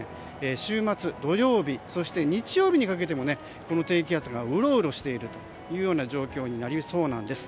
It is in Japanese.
週末、土曜日そして、日曜日にかけてもこの低気圧がうろうろしている状況になりそうなんです。